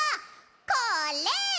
これ！